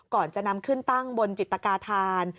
ก่อนจะนำขึ้นตั้งบนจิตกาธาน